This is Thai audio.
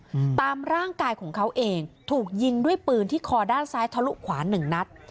อืมตามร่างกายของเขาเองถูกยิงด้วยปืนที่คอด้านซ้ายทะลุขวาหนึ่งนัด